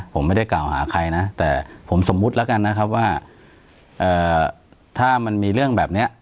ผมไม่ได้กล่าวหาใครนะแต่ผมสมมุติแล้วกันนะครับว่าถ้ามันมีเรื่องแบบนี้